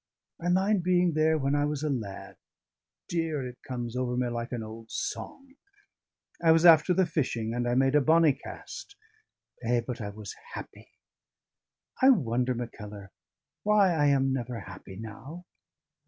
I mind being there when I was a lad dear, it comes over me like an old song! I was after the fishing, and I made a bonny cast. Eh, but I was happy. I wonder, Mackellar, why I am never happy now?"